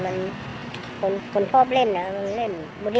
มันคนคนชอบเล่นนะมันเป็นเล่น